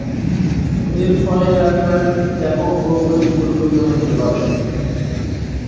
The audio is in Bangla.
এর ফলে এলাকার ব্যাপক ভৌগোলিক পরিবর্তন হতে পারে।